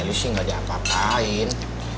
melih sih gak ada apa apain